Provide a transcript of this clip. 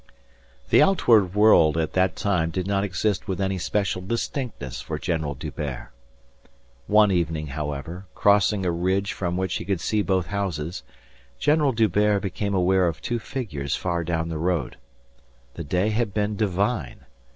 The outward world at that time did not exist with any special distinctness for General D'Hubert. One evening, however, crossing a ridge from which he could see both houses, General D'Hubert became aware of two figures far down the road. The day had been divine.